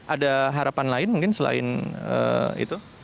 ada harapan lain mungkin selain itu